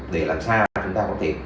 để làm sao chúng ta có thể